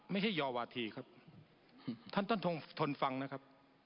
ไม่ให้ยอวาธีครับท่านต้องทนฟังนะครับ